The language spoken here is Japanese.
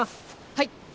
はい！